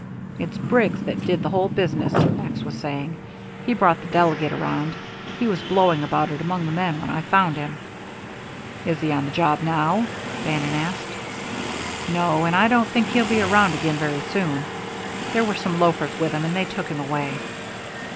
"It's Briggs that did the whole business," Max was saying. "He brought the delegate around he was blowing about it among the men when I found him." "Is he on the job now?" Bannon asked. "No, and I don't think he'll be around again very soon. There were some loafers with him, and they took him away."